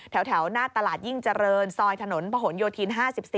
แถวหน้าตลาดยิ่งเจริญซอยถนนผนโยธิน๕๔